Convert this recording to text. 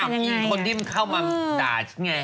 ก็กัดนำมีอีกคนดิ้มเข้ามาด่าใช่ไง